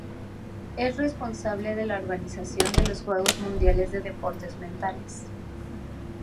Es responsable de la organización de los Juegos Mundiales de Deportes Mentales.